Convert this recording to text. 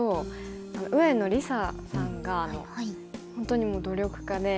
上野梨紗さんが本当にもう努力家で。